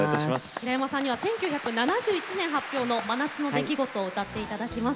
平山さんには、１９７１年発表の「真夏の出来事」を歌っていただきます。